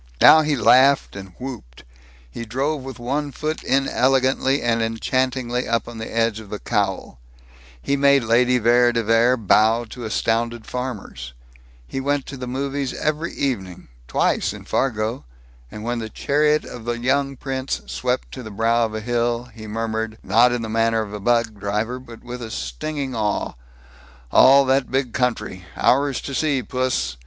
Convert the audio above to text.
Now he laughed and whooped; he drove with one foot inelegantly and enchantingly up on the edge of the cowl; he made Lady Vere de Vere bow to astounded farmers; he went to the movies every evening twice, in Fargo; and when the chariot of the young prince swept to the brow of a hill, he murmured, not in the manner of a bug driver but with a stinging awe, "All that big country! Ours to see, puss!